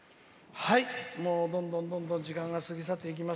どんどん時間が過ぎ去っていきます。